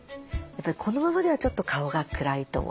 このままではちょっと顔が暗いと思います。